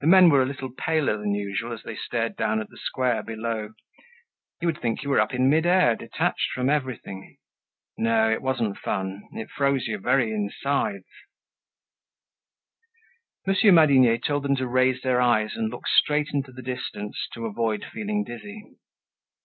The men were a little paler than usual as they stared down at the square below. You would think you were up in mid air, detached from everything. No, it wasn't fun, it froze your very insides. Monsieur Madinier told them to raise their eyes and look straight into the distance to avoid feeling dizzy.